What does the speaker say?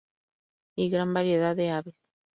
Y gran variedad de aves.